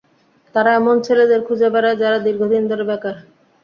তারা এমন ছেলেদের খুঁজে বেড়ায়, যারা দীর্ঘদিন ধরে বেকার।